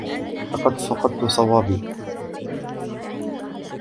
لقد فقدت صوابي.